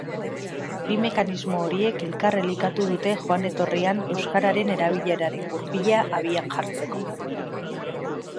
Bi mekanismo horiek elkar elikatu dute joan-etorrian euskararen erabileraren gurpila abian jartzeko.